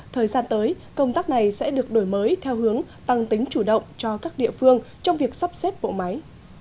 thời gian tới công tác này sẽ được đổi mới theo hướng tăng tính chủ động cho các địa phương trong việc sắp xếp bộ máy